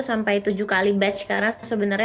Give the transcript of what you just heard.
sampai tujuh kali batch karena sebenarnya